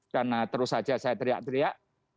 karena terus saja saya teriak teriak